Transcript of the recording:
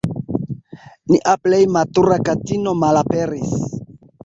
Nia plej matura katino malaperis.